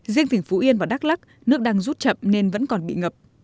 riêng tỉnh phú yên và đắk lắc nước đang rút chậm nên vẫn còn bị ngập